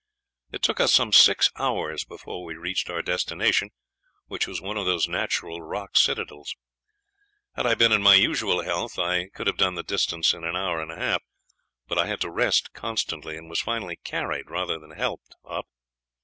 It took us some six hours before we reached our destination, which was one of those natural rock citadels. Had I been in my usual health I could have done the distance in an hour and a half, but I had to rest constantly, and was finally carried rather than helped up.